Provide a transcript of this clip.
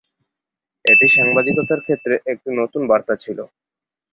এটি সাংবাদিকতার ক্ষেত্রে একটি নতুন বার্তা ছিল।